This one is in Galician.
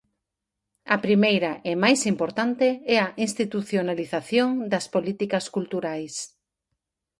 A primeira e máis importante é a institucionalización das políticas culturais.